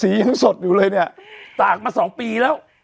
ยังสดอยู่เลยเนี่ยตากมาสองปีแล้ว